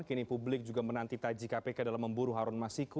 kini publik juga menanti taji kpk dalam memburu harun masiku